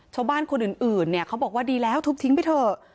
ชาวบ้านคนอื่นเนี่ยเขาบอกว่าดีแล้วทุบทิ้งไปเถอะ